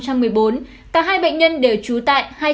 cả hai bệnh nhân đều trú tại